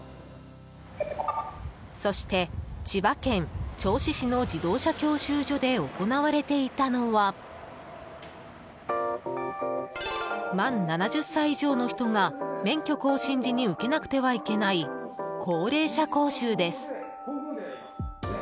そして千葉県銚子市の自動車教習所で行われていたのは満７０歳以上の人が免許更新時に受けなくていけない高齢者講習です。